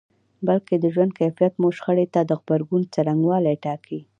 بلکې د ژوند کيفیت مو شخړې ته د غبرګون څرنګوالی ټاکي.